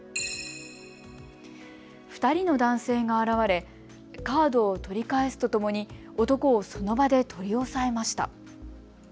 ２人の男性が現れ、カードを取り返すとともに男をその場で取り押さえました。